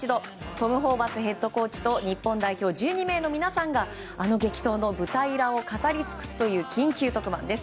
トム・ホーバスヘッドコーチと日本代表１２名の皆さんがあの激闘の舞台裏を語りつくすという緊急特番です。